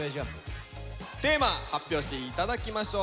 テーマ発表して頂きましょう。